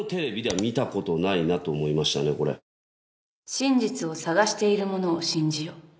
「真実を探しているものを信じよ」